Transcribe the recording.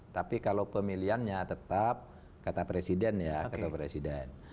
tapi kalau pemilihannya tetap kata presiden ya kata presiden